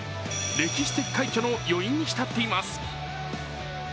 歴史的快挙の余韻にひたっています。